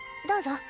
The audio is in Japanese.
どうぞ。